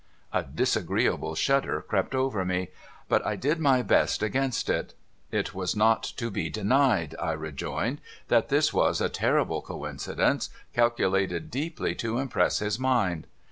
A disagreeable shudder crept over me, but I did my best against it. It was not to be denied, I rejoined, that this was a remarkable coincidence, calculated deeply to impress his mind.